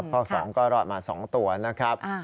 อก๒ก็รอดมา๒ตัวนะครับ